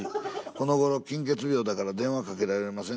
「このごろ金欠病だから電話かけられません。